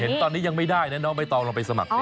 เห็นตอนนี้ยังไม่ได้นะเนอะไม่ต้องลองไปสมัคร